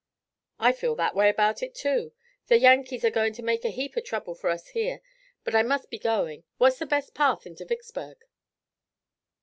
"I feel that way about it, too. The Yankees are going to make a heap of trouble for us here. But I must be going. What's the best path into Vicksburg?"